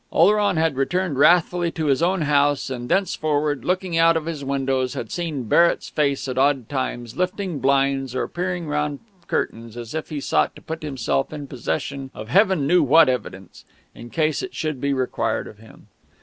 Oleron had returned wrathfully to his own house, and thenceforward, looking out of his windows, had seen Barrett's face at odd times, lifting blinds or peering round curtains, as if he sought to put himself in possession of Heaven knew what evidence, in case it should be required of him.